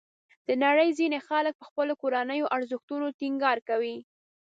د نړۍ ځینې خلک په خپلو کورنیو ارزښتونو ټینګار کوي.